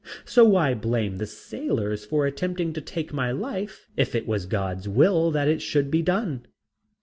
So why blame the sailors for attempting to take my life if it was God's will that it should be done?